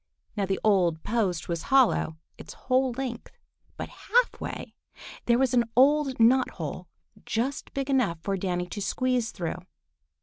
Now the old post was hollow its whole length, but half way there was an old knot hole just big enough for Danny to squeeze through.